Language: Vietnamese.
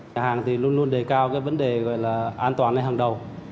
nhà hàng luôn luôn đề cao vấn đề an toàn hàng đầu